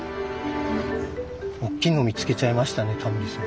おっきいの見つけちゃいましたねタモリさん。